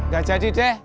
gak jadi deh